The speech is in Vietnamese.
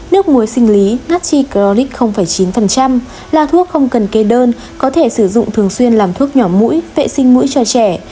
hai nước muối sinh lý natri cloric chín là thuốc không cần kê đơn có thể sử dụng thường xuyên làm thuốc nhỏ mũi vệ sinh mũi cho trẻ